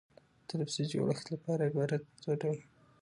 د لفظي جوړښت له مخه عبارت پر دوه ډوله ډﺉ.